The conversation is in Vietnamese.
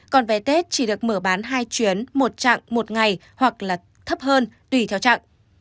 còn vé tết chỉ được mở bán hai chuyến một chặng một ngày hoặc là thấp hơn tùy theo trạng